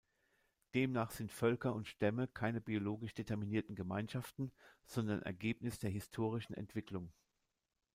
Demnach sind Völker und Stämme keine biologisch determinierten Gemeinschaften, sondern Ergebnis der historischen Entwicklung.